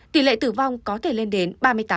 tỷ lệ tử vong có thể lên đến ba mươi tám